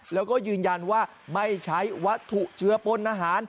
แล้วก็ยืนยันว่าไม่ใช้วัตถุเชื้อป้นอาหาร